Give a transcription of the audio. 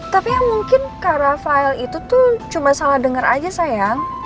tapi yang mungkin ke rafael itu tuh cuma salah dengar aja sayang